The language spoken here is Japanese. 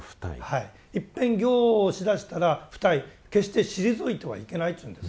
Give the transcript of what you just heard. いっぺん行をしだしたら不退決して退いてはいけないというんですね。